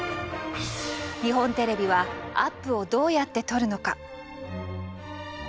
日本テレビはアップをどうやって撮るのか？